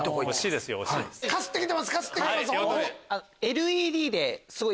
ＬＥＤで。